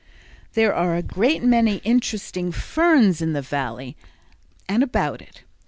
There are a great many interesting ferns in the Valley and about it.